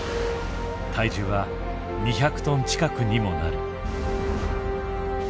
体重は２００トン近くにもなる。